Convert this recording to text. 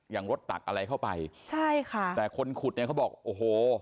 รถตักอะไรเข้าไปใช่ค่ะแต่คนขุดเนี่ยเขาบอกโอ้โห